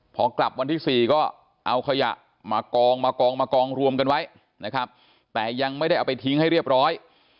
พอกลับวันที่๔ก็เอาขยะมากองมากองมากองรวมกันไว้นะครับแต่ยังไม่ได้เอาไปทิ้งให้เรียบร้อย